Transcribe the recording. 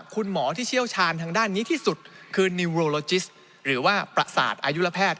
คุณหมอที่เชี่ยวชาญทางด้านนี้ที่สุดคือนิวโรโลจิสหรือว่าประสาทอายุระแพทย์